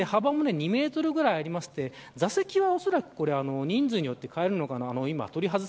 幅も２メートルぐらいあって座席はおそらく人数によって変えるのかな。